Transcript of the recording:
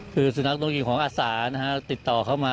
คือสุนักดมกลิ่นของอสสารนะฮะติดต่อเข้ามา